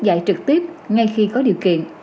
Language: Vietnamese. dạy trực tiếp ngay khi có điều kiện